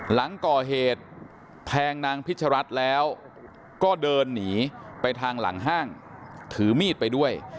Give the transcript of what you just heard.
หลังก่อเหตุแทงนางพิชรัฐแล้วก็เดินหนีไปทางหลังห้างถือมีดไปด้วย